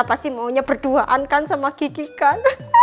pasti maunya berduaan kan sama gigi kan